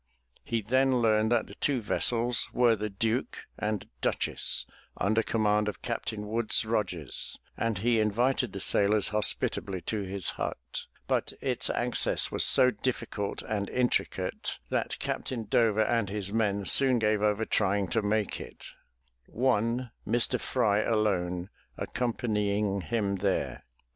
He then learned that the two vessels were the Duke and Duchess under command of Captain Woodes Rogers, and he invited the sailors hospitably to his hut, but its access was so difficult and intricate, that Captain Dover and his men soon gave over trying to make it, one, Mr. Fry, alone accompanying him there.